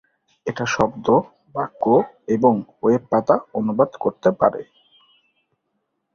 এটা শব্দ, বাক্য এবং ওয়েব পাতা অনুবাদ করতে পারে।